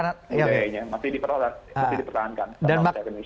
jadi budayanya masih dipertahankan